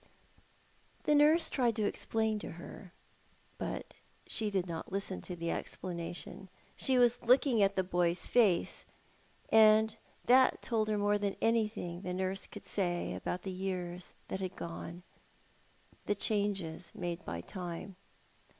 The nurse tried to explain to her, but she did not listen to the explanation. She was looking at the boy's face, and that told her more than anything the nurse could say about the years that had gone, and the changes made by time.